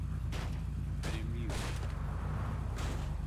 Önemliymiş.